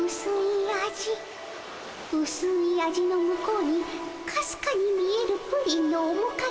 うすい味の向こうにかすかに見えるプリンのおもかげ。